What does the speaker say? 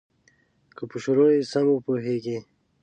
که په شروع یې سم وپوهیږې.